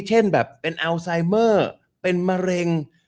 เช่นแบบเป็นอัลไซเมอร์เป็นมะเร็ง